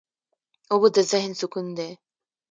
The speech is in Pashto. اوبه د ذهن سکون دي.